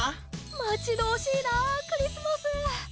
待ち遠しいなクリスマス。